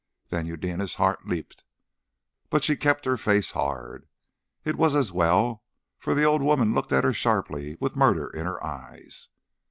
Then Eudena's heart leapt, but she kept her face hard. It was as well, for the old woman looked at her sharply, with murder in her eyes.